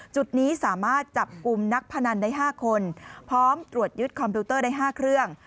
จุดนี้สามารถจับกลุ่มนักพนันได้๕คนพร้อมตรวจยึดคอมพิวเตอร์ได้๕เครื่อง